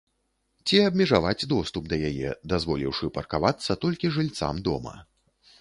Ці абмежаваць доступ да яе, дазволіўшы паркавацца толькі жыльцам дома.